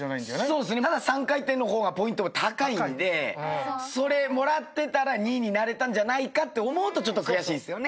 そうですね３回転の方がポイント高いんでそれもらってたら２位になれたんじゃないかって思うとちょっと悔しいですよね。